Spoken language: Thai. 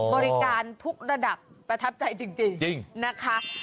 บริการทุกระดับประทับใจจริงนะคะ